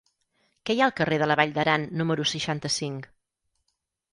Què hi ha al carrer de la Vall d'Aran número seixanta-cinc?